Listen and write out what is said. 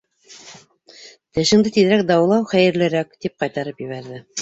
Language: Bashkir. Тешеңде тиҙерәк дауалау хәйерлерәк, — тип ҡайтарып ебәрҙе.